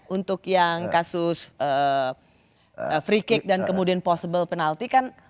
untuk yang kasus free cake dan kemudian possible penalti kan